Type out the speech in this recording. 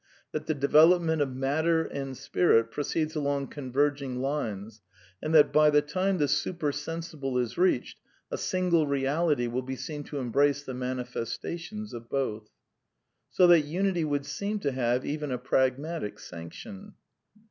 69) ; that * the development of Matter and Spirit pro ceeds along converging lines ; and that by the time the su persensible is reached, a single reality will be seen to em brace the manifestations of both '?" {Humanism, p. 298.) So that unity would seem to have even a prag matic sanction.